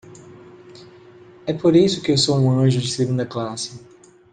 É por isso que eu sou um anjo de segunda classe.